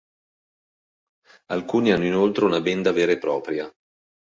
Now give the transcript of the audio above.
Alcuni hanno inoltre una benda vera e propria.